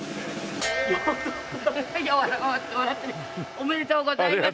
おめでとうございます。